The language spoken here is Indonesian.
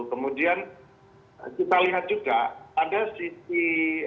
kemudian kita lihat juga ada sisi